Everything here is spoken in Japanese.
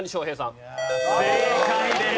正解です。